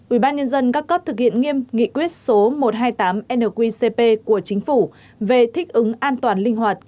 ubnd các cấp thực hiện nghiêm nghị quyết số một trăm hai mươi tám nqcp của chính phủ về thích ứng an toàn linh hoạt